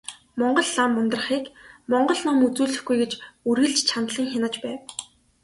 Багш лам Ундрахыг монгол ном үзүүлэхгүй гэж үргэлж чандлан хянаж байв.